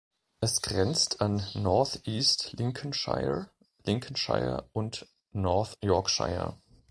Es grenzt an North East Lincolnshire, Lincolnshire und North Yorkshire.